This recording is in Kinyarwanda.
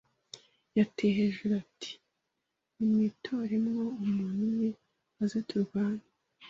yateye hejuru ati ‘nimwitoremo umuntu umwe aze turwane